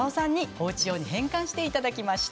おうち用に変換していただきました。